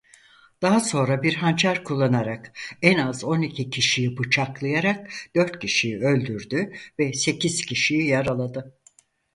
Daha sonra bir hançer kullanarak en az on iki kişiyi bıçaklayarak dört kişiyi öldürdü ve sekiz kişiyi yaraladı.